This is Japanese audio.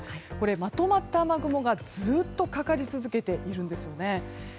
まとまった雨雲が、ずっとかかり続けているんですよね。